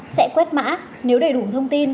sẽ quét mã nếu đầy đủ thông tin